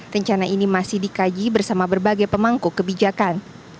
rencana ini masih dikaji bersama berbagai pemangku kebijakan